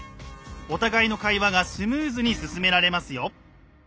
お互いの会話がスムーズに進められますよ。